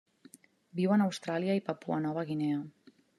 Viuen a Austràlia i Papua Nova Guinea.